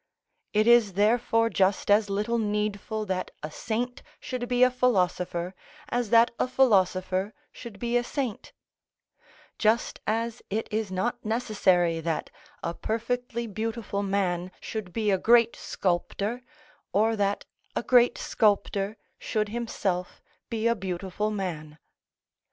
It is therefore just as little needful that a saint should be a philosopher as that a philosopher should be a saint; just as it is not necessary that a perfectly beautiful man should be a great sculptor, or that a great sculptor should himself be a beautiful man.